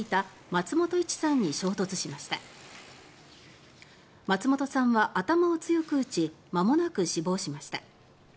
松本さんは頭を強く打ちまもなく死亡しました。